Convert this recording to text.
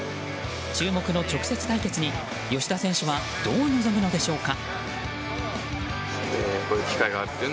注目の直接対決に吉田選手はどう臨むのでしょうか。